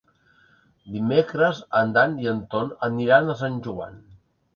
Dimecres en Dan i en Ton aniran a Sant Joan.